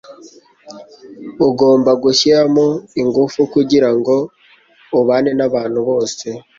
Ugomba gushyiramo ingufu kugirango ubane nabantu bose.